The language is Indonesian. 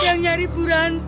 yang nyari bu ranti